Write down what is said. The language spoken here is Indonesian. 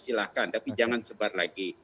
silahkan tapi jangan sebar lagi